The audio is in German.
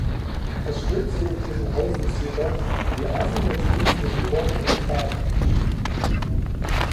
Das Schlimmste in diesem Haus ist jedoch die Asymmetrie zwischen Worten und Taten.